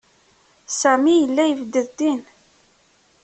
Sami yella yebded din.